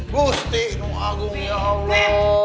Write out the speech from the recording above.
gusti ini agung ya allah